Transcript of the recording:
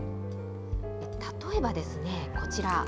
例えばですね、こちら。